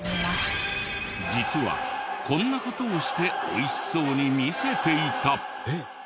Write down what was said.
実はこんな事をして美味しそうに見せていた。